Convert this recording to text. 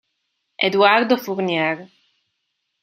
Eduardo Fournier